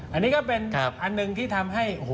อันนี้ก็เป็นอันหนึ่งที่ทำให้